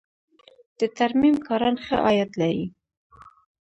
د ترمیم کاران ښه عاید لري